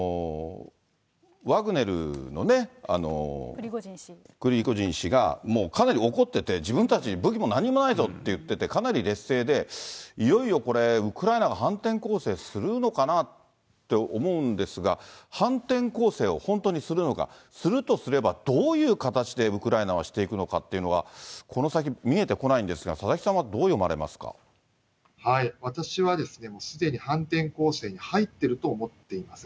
ワグネルのね、プリゴジン氏がもうかなり怒ってて、自分たち、武器もなんにもないぞって言ってて、かなり劣勢で、いよいよこれ、ウクライナが反転攻勢するのかなって思うんですが、反転攻勢を本当にするのか、するとすれば、どういう形でウクライナはしていくのかというのが、この先、見えてこないんですが、私は、すでに反転攻勢に入っていると思っています。